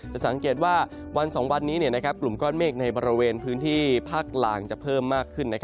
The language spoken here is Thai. จะสังเกตว่าวัน๒วันนี้กลุ่มก้อนเมฆในบริเวณพื้นที่ภาคกลางจะเพิ่มมากขึ้น